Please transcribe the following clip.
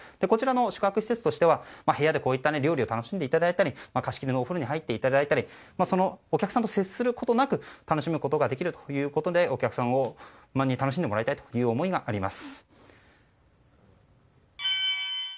こちらの宿泊施設としては部屋でこういった料理を楽しんでいただいたり貸し切りのお風呂に入っていただいたりお客さんと接することなく楽しむことができるということでお客様に楽しんでもらいたいという思いがあります。